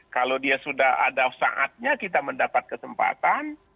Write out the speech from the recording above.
kalau dia sudah ada saatnya kita mendapat kesempatan